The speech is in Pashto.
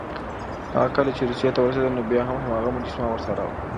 هغه کله چې روسيې ته ورسېد، نو بیا هم هماغه مجسمه ورسره وه.